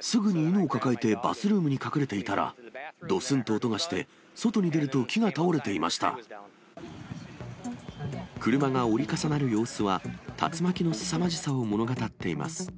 すぐに犬を抱えて、バスルームに隠れていたら、どすんと音がして、車が折り重なる様子は、竜巻のすさまじさを物語っています。